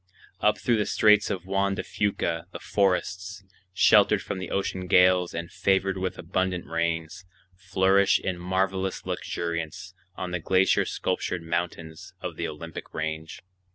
Up through the Straits of Juan de Fuca the forests, sheltered from the ocean gales and favored with abundant rains, flourish in marvelous luxuriance on the glacier sculptured mountains of the Olympic Range.